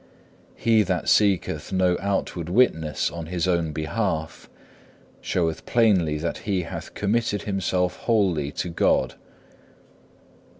4. He that seeketh no outward witness on his own behalf, showeth plainly that he hath committed himself wholly to God.